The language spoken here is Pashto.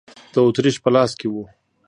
د اتریش په لاس کې و.